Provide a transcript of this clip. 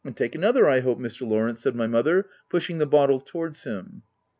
'* And take another I hope, Mr. Lawrence," said my mother, pushing the bottle towards him.